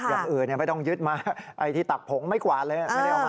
อย่างอื่นไม่ต้องยึดมั่งไอที่ตักผงไม่ไหว้เลย